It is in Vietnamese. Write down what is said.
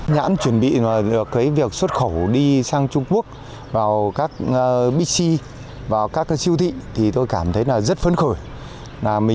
nhãn chuẩn bị được việc xuất khẩu đi sang trung quốc vào các bixi